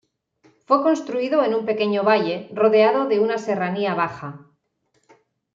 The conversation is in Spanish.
Fue construido en un pequeño valle, rodeado de una serranía baja.